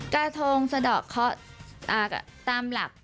กระทงสะดอกเคาะตามหลัก